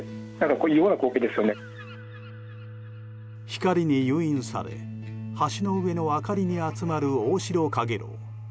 光に誘引され橋の上の明かりに集まるオオシロカゲロウ。